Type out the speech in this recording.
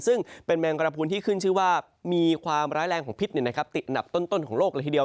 ซึ่งเป็นแมงกระพูนที่ขึ้นชื่อว่ามีความร้ายแรงของพิษติดอันดับต้นของโลกเลยทีเดียว